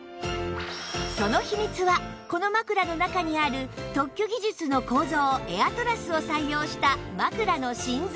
その秘密はこの枕の中にある特許技術の構造エアトラスを採用した枕の芯材